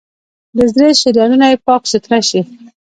د زړه شریانونه یې پاک سوتره شي.